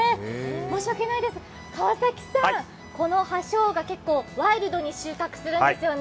申し訳ないです、川崎さん、この葉しょうが、結構ワイルドに収穫するんですよね？